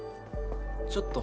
ちょっと。